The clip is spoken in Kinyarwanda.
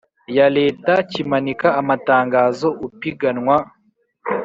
ya Leta kimanika amatangazo Upiganwa